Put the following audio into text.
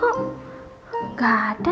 aduh duduk duduk